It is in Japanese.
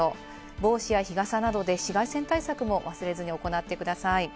帽子や日傘などで紫外線対策も忘れずに行ってください。